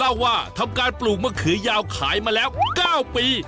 เล่าว่าทำการปลูกมะเขือยาวขายมาแล้ว๙ปี